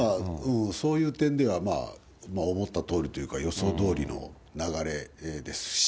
そういう点では、まあ思ったとおりというか、予想どおりの流れですし。